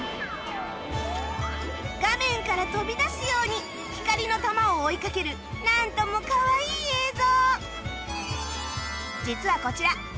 画面から飛び出すように光の球を追いかけるなんともかわいい映像